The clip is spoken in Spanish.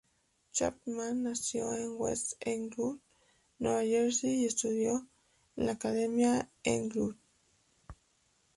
Chapman nació en West Englewood, Nueva Jersey y estudió en la Academia Englewood.